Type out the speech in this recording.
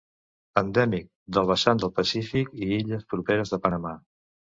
Endèmic del vessant del Pacífic i illes properes de Panamà.